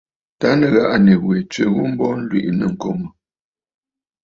Tâ nɨ̀ghàꞌà nì wè tswe ghu mbo, ǹlwìꞌì nɨ̂ŋkoŋə̀.